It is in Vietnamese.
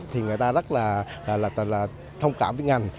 thì người ta rất là thông cảm với ngành